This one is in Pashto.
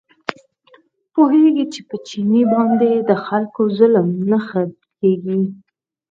پوهېږي چې په چیني باندې د خلکو ظلم نه ښه کېږي.